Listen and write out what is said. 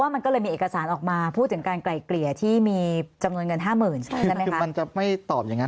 มีนิติกรประกบใช่ไหมคะ